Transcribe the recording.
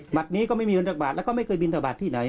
หลักนี้ก็ไม่มีวนทรักบาทแล้วก็ไม่เคยบินทรักบาทที่ไหน